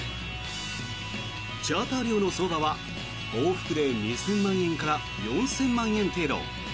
チャーター料の相場は往復で２０００万円から４０００万円程度。